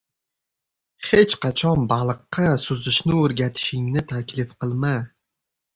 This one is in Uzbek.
• Hech qachon baliqqa suzishni o‘rgatishingni taklif qilma.